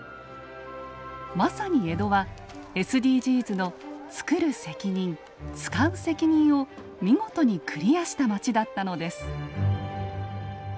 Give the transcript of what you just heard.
まさに江戸はＳＤＧｓの「つくる責任つかう責任」を見事にクリアした街だったのです。